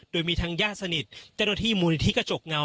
โดยมีทางญาติสนิทจังหวัดมูลนิธิกระจกเงา